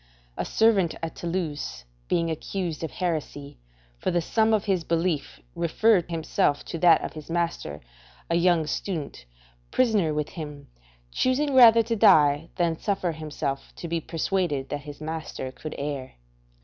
A servant at Toulouse being accused of heresy, for the sum of his belief referred himself to that of his master, a young student, prisoner with him, choosing rather to die than suffer himself to be persuaded that his master could err.